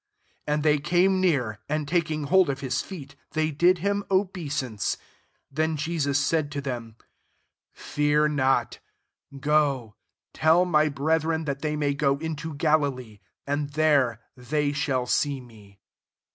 And they came near, and taking hold of his feet, they did him obeisance. 10 Then Jesus said to them, *< Fear not: go, tell my brethren that they may go into Galilee ; and there they shall see me."